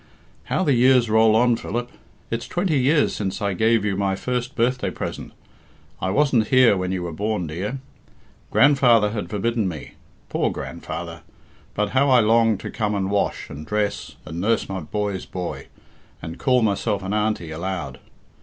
"How the years roll on, Philip! It's twenty years since I gave you my first birthday present I wasn't here when you were born, dear. Grandfather had forbidden me. Poor grandfather! But how I longed to come and wash, and dress, and nurse my boy's boy, and call myself an auntie aloud!